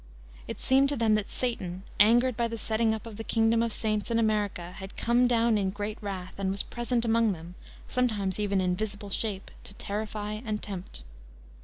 It seemed to them that Satan, angered by the setting up of the kingdom of the saints in America, had "come down in great wrath," and was present among them, sometimes even in visible shape, to terrify and tempt.